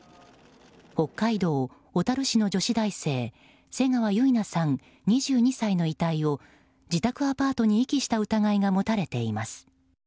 北海道小樽市の女子大生瀬川結菜さん、２２歳の遺体を自宅アパートに遺棄した疑いが持たれています。